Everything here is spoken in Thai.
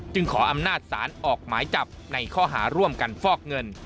ขออำนาจศาลออกหมายจับในข้อหาร่วมกันฟอกเงิน